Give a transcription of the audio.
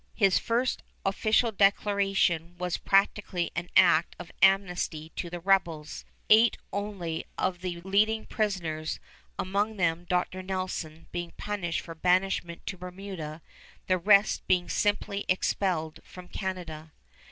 His first official declaration was practically an act of amnesty to the rebels, eight only of the leading prisoners, among them Dr. Nelson, being punished by banishment to Bermuda, the rest being simply expelled from Canada.